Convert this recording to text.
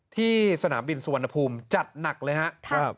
ที่สนามบินสุวรรณภูมิจัดหนักเลยครับ